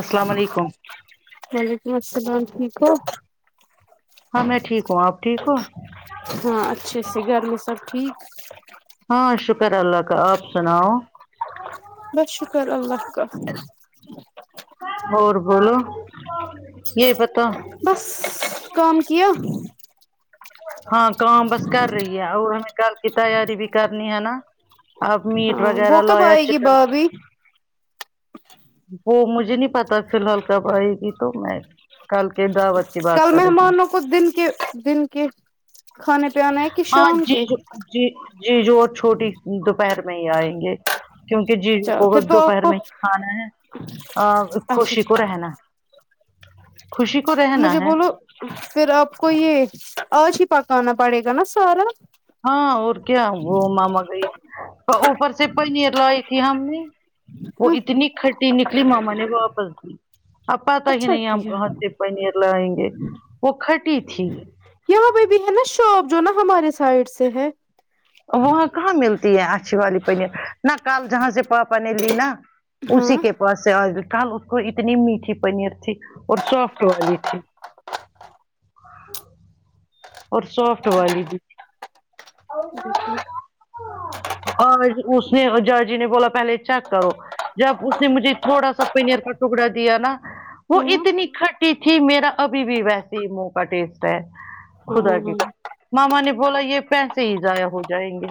السلام علیکم وعلیکم اسلام ٹھیک ہے ہاں میں ٹھیک ہوں آپ ٹھیک ہوں ہاں اچھے سے گھر میں سب ٹھیک [unintelligible] ہاں شکر اللہ کا آپ سناؤ بس شکر اللہ کا اور بولو یہی پتا بس کام کیا ہاں کام بس کر رہی ہے اور ہمیں کل کی تیاری بھی کرنی ہے نا اپ میٹ ہاں وہ وغیرہ لو کب یا آئے گی چکن بھابھی وہ مجھے نہیں پتا فی الحال کب آئے گی تو میں کل کے دعوت کے بات کر رہی کچھ دن کے دن کے کھانے پی انا ہے کہ ہاں شام کے جیجو جی جی جو چھوٹی دوپہر میں ہی آئیں گے کیونکہ جی چلو کو پھر تو آپ دوپہر کو میں کھانا ہے اچھا خوشی کو اچھا رہنا ہے خوشی کو رہنا مجھے ہے بولو پھر آپ کو یہ آج ہی پکانا پڑے گا نا سارا ہاں اور کیا وہ ماما گئی اوپر سے پنیر لائی تھی ہم نے وہ ہ اتنی کھٹی نکلی ماما نے واپس دی اب پتا ہی اچھا نہیں ہم کیا کہا سے پنیر لائیں گے وہ کھٹی تھی یہاں پہ بھی ہے نا شاپ جو نا ہمارے سائڈ سے ہے وہاں کہاں ملتی ہے اچھی والی پنیر نہ کل جہاں سے پاپا نے لی نا ہاں اسی کے پاس سے آج کا اتنی میٹھی پنیر تھی اور سافٹ والی تھی اور سافٹ والی بھی [unintelligible] اور اس نے جرجی نے بولا پہلے چیک کرو جب اس نے مجھے تھوڑا سا پنیر کا ٹکڑا دیا نا وہ ہاں اتنی کھٹی تھی میرا ابھی بھی ویسے ہی منہ کا ٹیسٹ ہے خدا کی ہاں ماما نے بولا یہ پیسے ہی ضائع ہو جائیں گے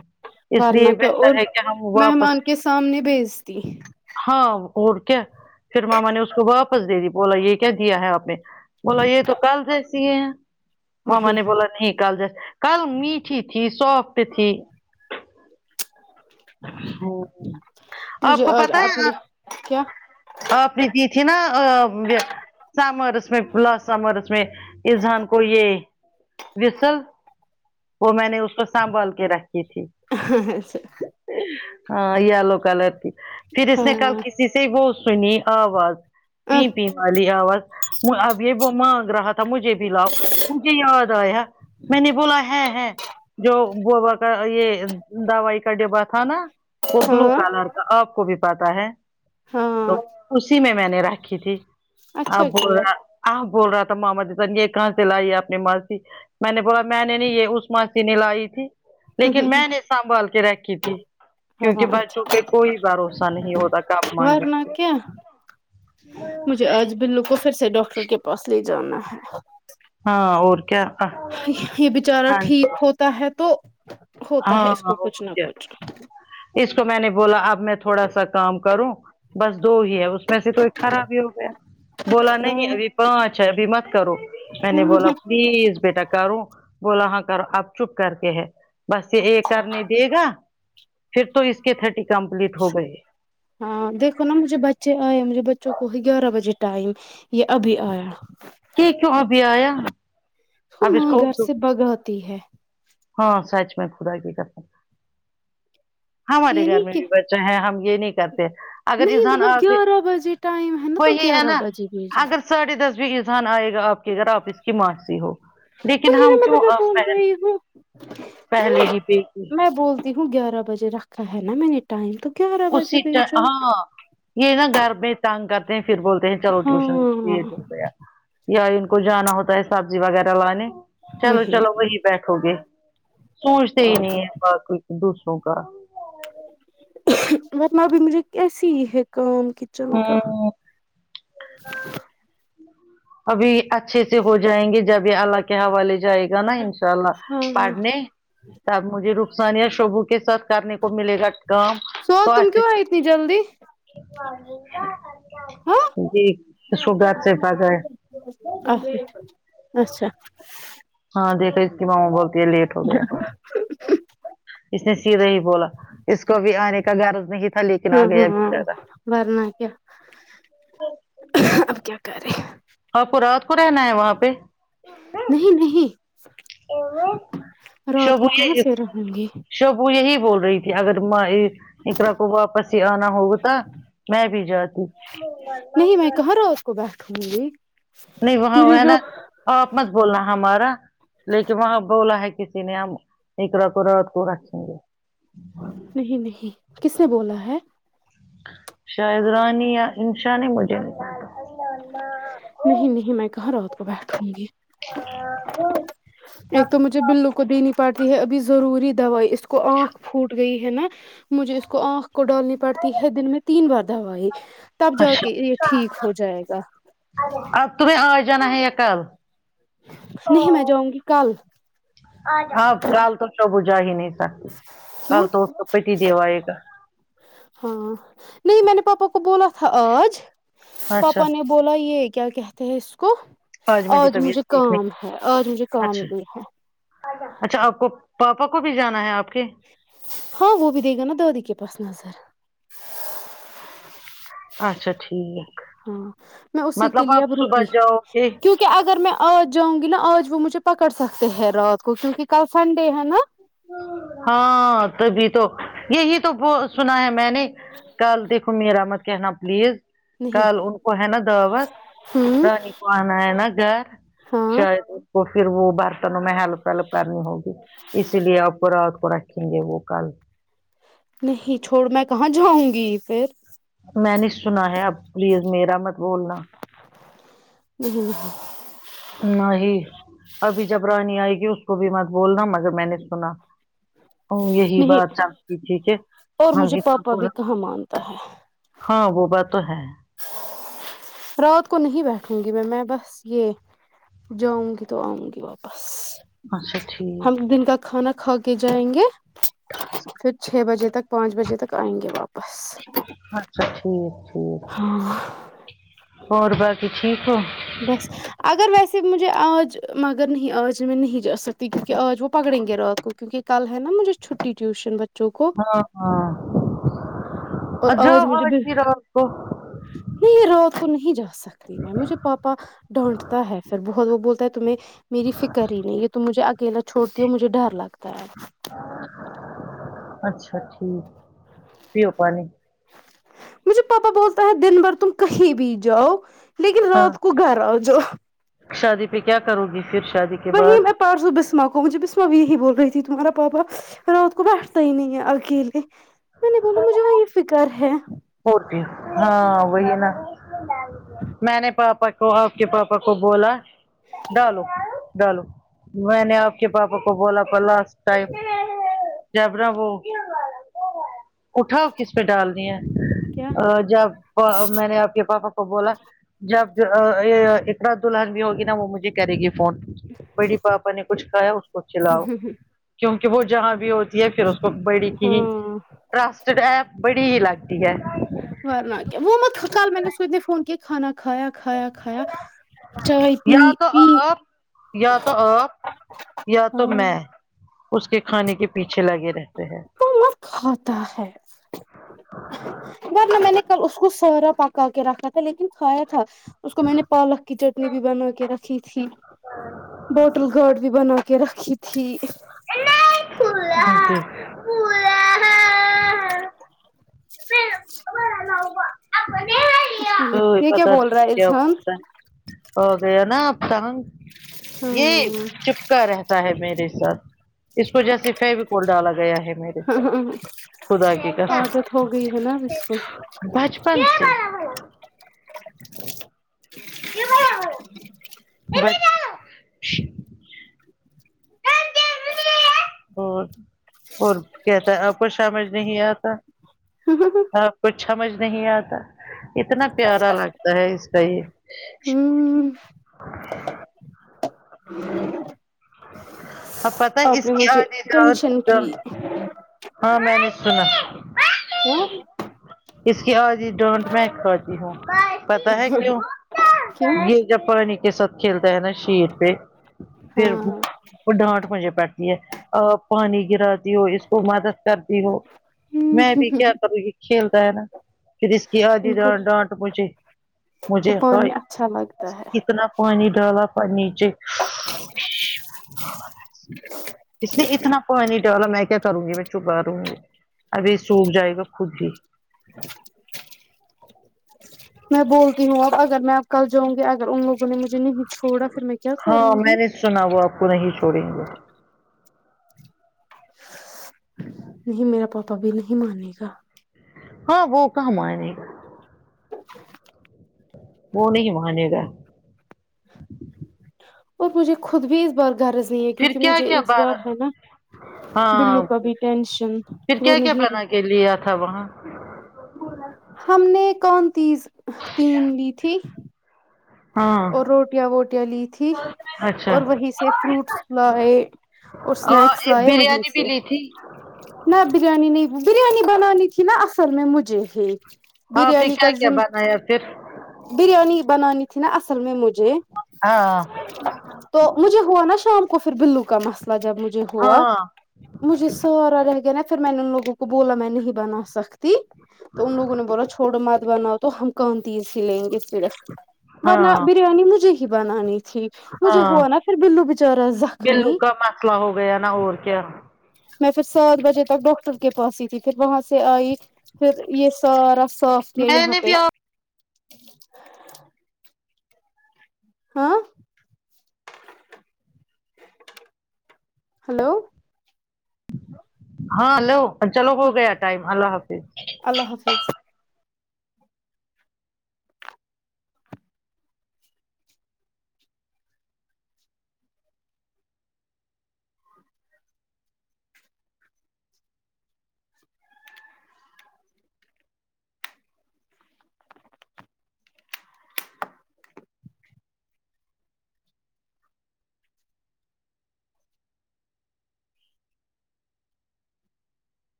اس لیے ورنہ کیا اور بہتر ہے کہ ہم واپس مہمان کے سامنے بھیجتی ہاں اور کیا پھر ماما نے اس کو واپس دے دی بولا یہ کیا دیا ہے آپ نے بولا یہ تو کل جیسی ہے ہاں میں نے نہیں بولا نہیں کل جس کل میٹھی تھی سوف ٹ تھی ہ آپ مجھے کو آج پتا ہے نہ اپنے کیا اپنے دی تھی نہ سممرس میں [unintelligible] سممرس میں اس دان کو یہ وسل وہ میں نے اس کا سنبھال کے رکھی تھی ہاں یلو کلر تھی پھر اس نے کل ہاں کسی سے وہ سنی آواز پی پی والی آواز اب یہ وہ مانگ رہا تھا مجھے بھی لاؤ مجھے یاد آیا میں نے بولا ہے ہے جو گوبا کا یہ دوائی کا ڈبا تھا نا وہ بلو ہاں کلر کا آپ کو بھی پتا ہے تو ہاں اسی میں میں نے رکھی تھی اچھا کیا ا آ بول رہا تھا ماما جایہ کہاں سے لائی ہے اپنی ماسیی میں نے بولا میں نے نہیں یہ اس ماسی نے لائی تھی لیکن میں نے سنبھال کے رکھی تھی کیونکہ ہاں اچھا بچوں پے کوئی بھروسہ نہیں ہوتا کپ مانگے ورنہ کیا مجھے آج بلو کو پھر سے ڈاکٹر کے پاس لے جانا ہے ہاں اور کیا یہ بیچارہ ٹھیک ہوتا ہے تو ہوتا ہاں ہے اس کو کچھ اور نہ کیا کچھ اس کو میں نے بولا اب میں تھوڑا سا کام کروں بس دو ہی ہے اس میں سے تو ایک خراب ہی ہو گیا بولا نہیں ابھی پانچ ہے ابھی مت کرو میں نے بولا پلیز بیٹا کروں بولا ہاں کرو آپ چپ کر کے ہے بس یہ اے کرنے دے گا پھر تو اس کے تھرٹی کمپلیٹ ہو گئے ہاں دیکھو نا مجھے بچے آئے مجھے بچوں کو گیارہ بجے ٹائم یہ ابھی آیا کی کیوں ابھی آیا وہ اب اس ماں کو گھر سے بگا آتی ہے ہاں سچ میں قدا کی قسم ہمارے یہ گھر نہیں میں کہ بھی ب ہم یہ نہیں کرتے نہیں مطلب [unintelligible] گیارہ بجے ٹائم ہے نا وہ تو ہی ہے گیارہ نا بجے بھیجو رضوان آئیگا اپ کے گھر اپ اس ماسی ہو لیکن ہم کیوں اب [unintelligible] پہلے ہی پے گ ہ گیارہ بجے رکھا ہے میں نے ٹائم تو گیارہ بجے اسی بیچو ہاں یہ نا گھر میں تنگ کرتے ہیں پھر بولتے ہیں چلو ہاں ٹیوشن کو بھیج دیتے ہیں اب یا ان کو جانا ہوتا ہے سبزی وغیرہ لانے چلو چلو وہی بیٹھو گے سوچتے ہی پاگل نہیں ہے با کوئی دوسروں کا [unintelligible] ابھی مجھے کیسی ہی ہے کام کچن کا ہوں ابھی اچھے سے ہو جائیں گے جب یہ اللہ کے حوالے جائے گا نا ان شاء ہاں اللہ پڑنے تب مجھے رخسان یا شوبو کے ساتھ کرنے کو ملے کام سو تم کیوں آئے اتنی جلدی ہاں جی اس کو گھر سے بھگا ہے ابھی اچھا ہاں دیکھو اس کی ماما بولتی ہے لیٹ ہوگیا اس نے سیدھا ہی بولا اس کو ابھی آنے کا گیارہ نہیں تھا لیکن ہوں آ گیا ہمم بیچارہ ورنہ کیا اب کیا کر رہے اںپ کو رات کو رہنا ہے وہاں پہ نہیں نہیں [unintelligible] رات کو کہاں سے رہوں گی شوبو یہی بول رہی تھی اگر ماےاقرا کو واپس ہی آنا ہوگا تو ت میں بھی جاتی نہیں میں کہاں نا اس کو بیٹھوں گی نہیں وہاں وہ مجھے ہے جو نا آپ مت بولنا ہمارا لیکن وہاں بولا ہے کسی نے ہم ایک ر کو رات کو رکھیں گے نہیں نہیں کس نے بولا ہے شاںید رانی یا انشانی مجھے بولا [unintelligible] نہیں نہیں میں کہا رات کو بیٹھوں گی ایک تو مجھے بلو کو دینی پڑتی ہے ابھی ضروری دوائی اس کو آنکھ پھوٹ گئی ہے نا مجھے اس کو آنکھ کو ڈالنی پڑتی ہے دن میں تین بار دوائی تب جا اچھا کے یہ ٹھیک ہو جائے گا اب تمہیں آج آنا ہے یا کل نہیں میں جاؤں گی کل ہاں کل تو شبو جا ہی نہیں سکتی کل کیوں تو اس کو پتی دیو آئے گا ہاں نہیں میں نے پاپا کو بولا تھا آج اچھا پاپا نے بولا یہ کیا کہتے ہیں اس کو میری آج طبیعت مجھے ٹھیک کام نہیں ہے آج مجھے کام اچھا نہیں ہے اچھا آپ کو پاپا کو بھی جانا ہے آپ کے ہاں وہ بھی دے گا نا دادی کے پاس نظر اچھا ٹھیک ہاں میں اسی کے مطلب لیے آپ اب صبح رکی جاؤ گے کیونکہ کہ اگر میں آج جاؤں گی نا آج وہ مجھے پکڑ سکتے ہیں رات کو کیونکہ کل سنڈے ہے نا ہاں تبھی تو یہی تو سنا ہے میں نے کل دیکھو میرا مت کہہ نا پلیز کال نہیں ان کو ہے نا دعوت ہوں رانی آنا ہے نا گھر ہاں شاید اس کو پھر وہ برتنوں میں ہیلپ ولپ کرنی ہوگی اسی لیے آپ رات کو رکھیں گے وہ کل نہیں چھوڑ میں کہاں جاؤں گی پھر میں نے سنا ہے اب پلیز میرا مت بولنا امم نہیں ابھی جب رانی آئے گی اس کو بھی مت بولنا مگر میں نے سنا او یہی بات نہیں سکتی ٹھیک ہے اور ہاں مجھے جی پاپا بالکل بھی کہاں مانتا ہے ہاں وہ بات تو ہے رات کو نہیں بیٹھوں گی میں میں بس یہ جاؤں گی تو آؤں گی واپس اچھا ہم ٹھیک دن کا کھانا کھا کے جائیں گے پھر چھ بجے تک پانچ بجے تک آئیں گے واپس اچھا ٹھیک ٹھیک ہاں اور باقی ٹھیک ہو بس اگر ویسے مجھے آج مگر نہیں آج میں نہیں جا سکتی کیونکہ آج وہ پکڑیں گے رات کو کیونکہ کل ہے نا مجھے چھٹی ٹیوشن بچوں کو ہاں اور ہاں جاو مجھے آج بل ہی رات کو نہیں رات کو نہیں جا سکتے مجھے پاپا ڈانٹتا ہے پھر بہت وہ بولتا ہے تمہیں میری فکر ہی نہیں یہ تم مجھے اکیلا چھوڑتی ہو مجھے ڈر لگتا ہے اچھا ٹھیک پیو پانی مجھے پاپا بولتا ہے دن بھر تم کہیں بھی جاؤ لیکن ہاں رات کو گھر آ جاؤ شادی پہ کیا کرو گی پھر شادی کے وہی بعد میں پارسو بسما کو مجھے بسما بھی یہی بول رہی تھی تمہارا پاپا رات کو بیٹھتا ہی نہیں ہے اکیل کے میں نے بولا مجھے وہی فکر ہے بھی ہاں وہی ہے نا میں نے پاپا تو آپ کے پاپا کو بولا ڈالو ڈالو میں نے آپ کے پاپا کو بولا تھا لاسٹ ٹائم جب نا وہ اٹھا کس پہ ڈال دیا کیا ا جب میں نے آپ کے پاپا کو بولا جب اقراد دلہن بھی ہوگی نا وہ مجھے کرے گی فون بڑی پاپا نے کچھ کایا اس کو کلاؤ کیونکہ وہ جہاں بھی ہوتی ہے پھر اس کو بڑی کی ہی ہاں ٹرسٹڈ ہے بڑی ہی لگ ہے ورنہ کیا وہ مت کل میں نے سوچنے فون کیا کھانا کھایا کھایا کھایا چائے پی یا تو پی آپ یا تو آپ یا تو ہاں میں اس کے کھانے کے پیچھے لگے رہتے ہیں تو مت کھاتا ہے ورنہ میں نے اس کو سارا پکا کے رکھا تھا لیکن کھایا تھا اس کو میں نے پالک کی چٹنی بھی بنا کے رکھ رکھی تھی بوٹل گارڈ بھی بنا کے رکھی تھی نہیں کھلا [unintelligible] [inaudible] اسی کوئی لیے یہ کیا پتا بول رہا نہیں ہے کیا انسان ہو گیا ناتا ہنگ [unintelligible] یہ چپ رہتا ہے میرے ساتھ اس کو جیسے فیب کوول ڈالا گیا ہے میر ہاں ہاں عادت ہو گئی ہے نا اسس کو بچپن سے یہ ہو آ ہو [unintelligible] اور اور کہتا آ کو سمجھ نہیں آتا ہں ہن ہں ٹھیک ہے جی کچھ سمجھ نہیں آتا اتنا پیارا لگتا ہے اس کا یہ ہوں ج [unintelligible] اب پتا ہے اس کی ٹینشن آ کی ہاں میں نے سنا ہاں اس کی آوجی ڈونٹ میں کر تی ہوں پتا ہے کیوں کیوں یہ جب پانی کے ساتھ کھیلتا ہے نا شییر پہ پھر ہاں وہ ڈانٹ مجھے پڑتی ہے پانی گراتی ہو اس کو مدد کرتی ہو میں بھی کیا کروں گی کھیلتا ہے نا پھر اس کی آدھی ان کو ڈانٹ ڈانٹ مجھے کو مجھے پانی اچھا لگتا ہے کتنا پانی ڈالا پ نیچے [unintelligible] اور [unintelligible] اس نے اتنا کو نہیں ڈو میں کیا کروں گی میں چپا رہوں گی ابھی سوکھ جائے گا خود ہی [inaudible] میں بولتی ہوں اب اگر میں اب کل جاؤں گی اگر ان لوگوں نے مجھے نہیں چھوڑا پھر میں کیا ہاں کروں میں گی نے سنا وہ آپ کو نہیں چھوڑیں گے نہیں میرا پاپا بھی نہیں مانے گا ہاں وہ کہاں مانے گا [unintelligible] وہ نہیں مانے گا اور مجھے خود بھی اس بار گر پھر کیکہ کیا مجھے کیا اس بار ہے نا بیلو ہاں کا بھی ٹینشن پھر وہ کیا کیا نہیں بنا کے لیا تھا وہاں رہ ہم نے کون تیز تین لی تھی ہاں اور روٹیاں ووٹیاں لی تھی اچھا اور وہیں سے فروٹس لائے اور اسنیکس ایک لائے وہیں بریانی بھی سے لی تھی نہ بریانی نہیں بریانی بنانی تھی نا اصل میں مجھے ہے ہاں پھر کیا کیا بنایا پھر بریانی بنانی تھی نا اصل میں مجھے ہاں تو مجھے ہوا نا شام کو پھر بیلو کا مسئلہ جب مجھے ہوا ہاں مجھے سارا رہ گیا نا پھر میں نے ان لوگوں کو بولا میں نہیں بنا سکتی تو ان لوگوں نے بولا چھوڑو مات بناؤ تو ہم کہن تی لیں گے پھر ورنہ ہاں بریانی مجھے ہی بنانی تھی مجھے ہاں ہوا نا پھر بیلو بچارا زخمی بلو کا مسئلہ ہو گیا نا اور کیا میں پھر سات بجے تک ڈاکٹر کے پاس ہی تھی پھر وہاں سے آئی پھر یہ سارا صاف کیا میں یہاں نے پہ بھی آپ ہاں ہلو ہاں لو چلو ہو ہاں گیا ٹائم اللہ حافظ اللہ حافظ